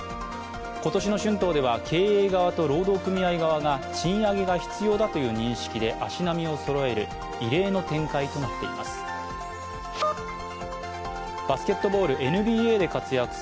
今年の春闘では経営側と労働組合側が賃上げが必要だという認識で足並みをそろえる異例の展開となっています。